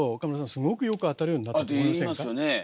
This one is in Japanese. すごくよく当たるようになったと思いませんか？って言いますよねえ。